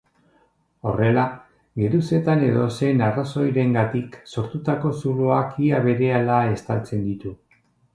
Horrela, geruzetan edozein arrazoirengatik sortutako zuloak ia berehala estaltzen ditu.